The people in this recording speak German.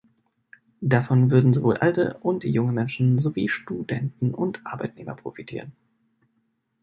Davon würden sowohl alte und junge Menschen sowie Studenten und Arbeitnehmer profitieren.